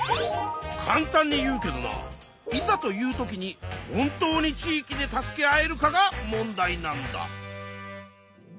かん単に言うけどないざという時に本当に地域で助け合えるかが問題なんだ。